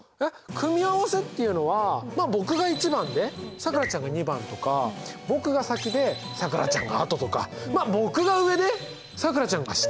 組み合わせっていうのはまあ僕が１番でさくらちゃんが２番とか僕が先でさくらちゃんが後とか僕が上でさくらちゃんが下。